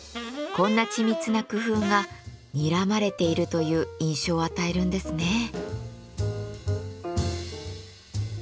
こんな緻密な工夫がにらまれているという印象を与えるんですね。